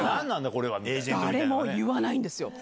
これは、誰も言わないんですよ。